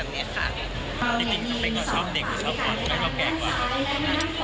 ดิจริงสเปกก็ชอบเด็กกูชอบแกกว่า